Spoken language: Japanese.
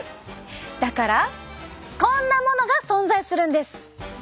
だからこんなものが存在するんです！